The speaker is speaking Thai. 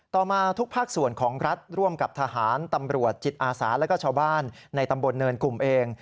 ต่อมาทุกภาคส่วนของรัฐร่วมกับทหารตำรวจจิตอาสาแล้วก็ชาวบ้านในตำบลเนินกลุ่มเอง